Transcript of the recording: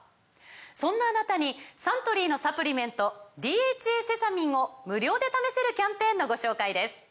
そんなあなたにサントリーのサプリメント「ＤＨＡセサミン」を無料で試せるキャンペーンのご紹介です